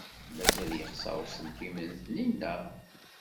Mazal yexṣer uselkim n Taninna?